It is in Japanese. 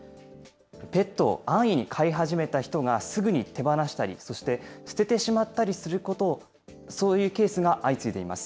ペットを安易に飼い始めた人がすぐに手放したり、そして捨ててしまったりすること、そういうケースが相次いでいます。